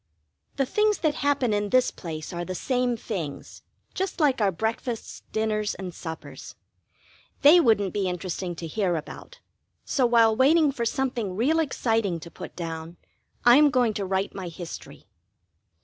The things that happen in this place are the same things, just like our breakfasts, dinners, and suppers. They wouldn't be interesting to hear about, so while waiting for something real exciting to put down, I am going to write my history.